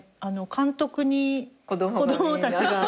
監督に子供たちが。